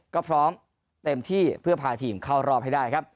ก็พร้อมเต็มที่เพื่อพาทีมเข้ารอบให้ได้ครับ